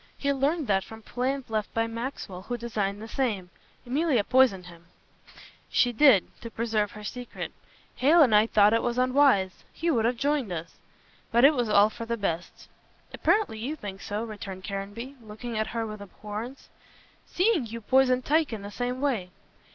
He learned that from plans left by Maxwell who designed the same. Emilia poisoned him." "She did to preserve her secret. Hale and I thought it was unwise; he would have joined us. But it was all for the best." "Apparently you think so," returned Caranby, looking at her with abhorrence, "seeing you poisoned Tyke in the same way."